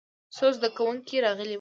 څو زده کوونکي راغلي وو.